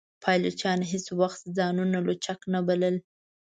پایلوچانو هیڅ وخت ځانونه لوچک نه بلل.